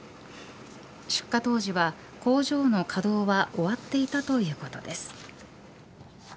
出火当時は工場の稼働は終わっていたということです。